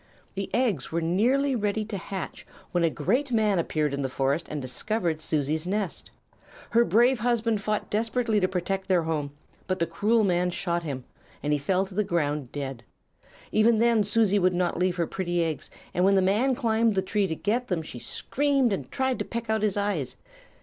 "The eggs were nearly ready to hatch when a great man appeared in the forest and discovered Susie's nest. Her brave husband fought desperately to protect their home, but the cruel man shot him, and he fell to the ground dead. Even then Susie would not leave her pretty eggs, and when the man climbed the tree to get them she screamed and tried to peck out his eyes.